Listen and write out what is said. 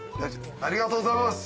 ありがとうございます。